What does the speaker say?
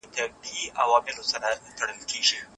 خلګ باید د ټکنالوژۍ له پرمختګ سره بلد سي.